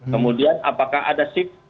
kemudian apakah ada shift